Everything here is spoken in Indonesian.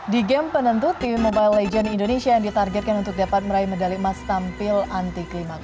di game penentu tim mobile legends indonesia yang ditargetkan untuk dapat meraih medali emas tampil anti klima